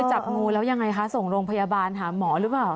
จับงูแล้วยังไงคะส่งโรงพยาบาลหาหมอหรือเปล่า